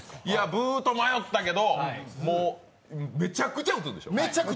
ブと迷ったけど、めちゃくちゃ打つでしょ。